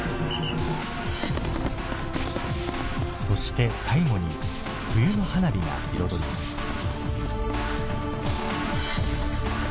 そして最後に冬の花火が彩ります。